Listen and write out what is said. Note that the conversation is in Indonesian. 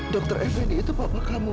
dokter fnd itu papa kamu